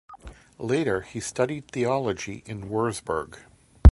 Later he studied theology in Wurzburg.